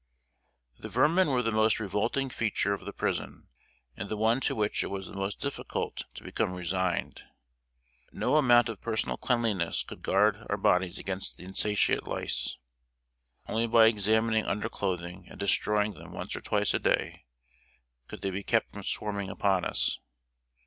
] The vermin were the most revolting feature of the prison, and the one to which it was the most difficult to become resigned. No amount of personal cleanliness could guard our bodies against the insatiate lice. Only by examining under clothing and destroying them once or twice a day, could they be kept from swarming upon us.